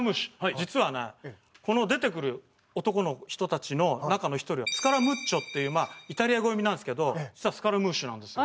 実はねこの出てくる男の人たちの中の１人はスカラムッチョっていうイタリア語読みなんですけどスカラムーシュなんですよ。